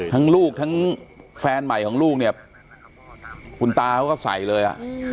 ลูกทั้งแฟนใหม่ของลูกเนี่ยคุณตาเขาก็ใส่เลยอ่ะ